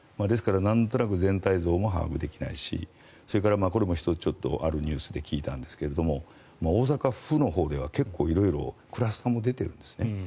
ですから、なんとなく全体像も把握できないしそれから、これも１つあるニュースで聞いたんですが大阪府のほうではクラスターも出ているんですね。